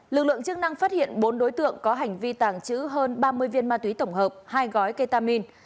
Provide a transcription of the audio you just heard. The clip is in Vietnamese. lực lượng chức năng phát hiện bốn đối tượng có hành vi tàng trữ hơn ba mươi viên ma túy tổng hợp hai gói ketamin